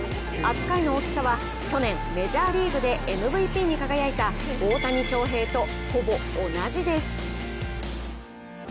扱いの大きさは、去年メジャーリーグでＭＶＰに輝いた大谷翔平とほぼ同じです。